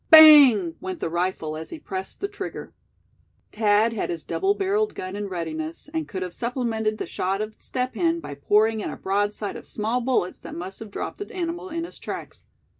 Bang! went the rifle, as he pressed the trigger. Thad had his double barreled gun in readiness, and could have supplemented the shot of Step Hen by pouring in a broadside of small bullets that must have dropped the animal in his tracks.